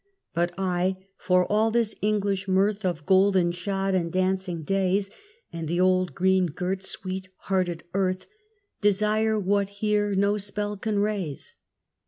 But I, for all this English mirth Of golden shod and dancing days, And the old green girt sweet hearted earth, Desire what here no spells can raise.